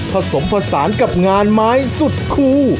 ผสมผสานกับงานไม้สุดคู